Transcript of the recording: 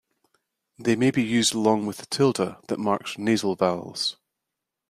They may be used along with the tilde that marks nasal vowels.